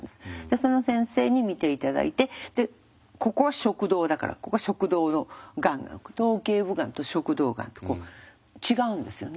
その先生に診て頂いてでここは食道だからここは食道のがんが頭頸部がんと食道がんと違うんですよね。